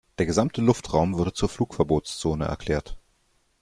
Der gesamte Luftraum wurde zur Flugverbotszone erklärt.